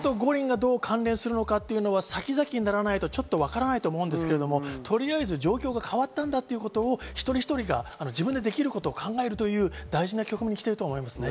五輪がどう関連するのか、先々にならないとちょっとわからないと思いますけど、状況が変わったんだということを一人一人が自分でできることを考えるという大事な局面に来ていると思います。